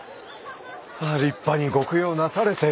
ああ立派にご供養なされて。